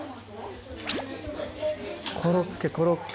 コロッケコロッケ。